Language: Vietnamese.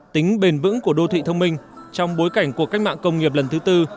tính bền vững của đô thị thông minh trong bối cảnh cuộc cách mạng công nghiệp lần thứ tư